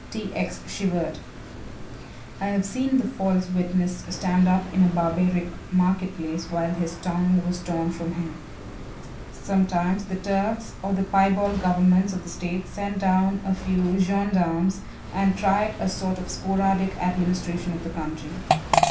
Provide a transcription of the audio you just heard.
T. X. shivered. "I have seen the false witness stand up in a barbaric market place whilst his tongue was torn from him. Sometimes the Turks or the piebald governments of the state sent down a few gendarmes and tried a sort of sporadic administration of the country.